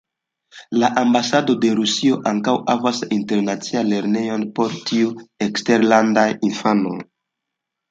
La ambasado de Rusio ankaŭ havas internacian lernejon por ĉiuj eksterlandaj infanoj.